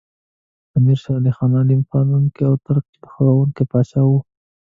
امیر شیر علی خان علم پالونکی او ترقي خوښوونکی پاچا و.